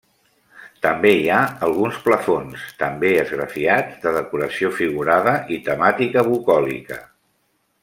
També hi ha alguns plafons, també esgrafiats, de decoració figurada i temàtica bucòlica.